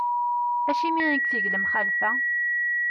Acimi i iteg lemxalfa?